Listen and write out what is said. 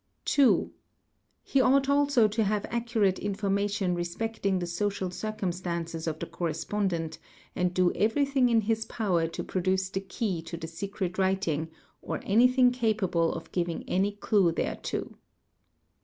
:; 2. He ought also to have accurate information respecting the social — circumstances of the correspondent and do everything in his power to | procure the key to the secret writing or anything capable of giving any j clue thereto.